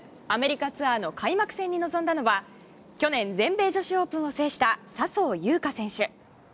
アメリカツアーの開幕戦に臨んだのは去年、全米女子オープンを制した笹生優花選手。